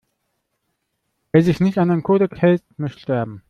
Wer sich nicht an den Kodex hält, muss sterben!